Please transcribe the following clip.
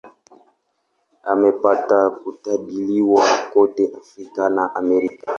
Amepata kutambuliwa kote Afrika na Amerika.